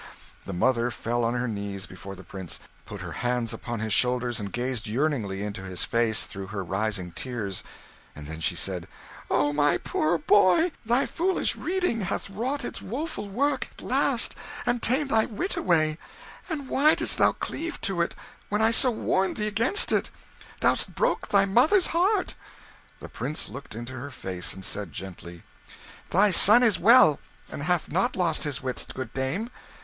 The mother fell on her knees before the Prince, put her hands upon his shoulders, and gazed yearningly into his face through her rising tears. Then she said "Oh, my poor boy! Thy foolish reading hath wrought its woeful work at last, and ta'en thy wit away. Ah! why did'st thou cleave to it when I so warned thee 'gainst it? Thou'st broke thy mother's heart." The Prince looked into her face, and said gently "Thy son is well, and hath not lost his wits, good dame.